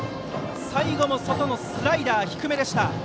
最後の外のスライダー低めでした。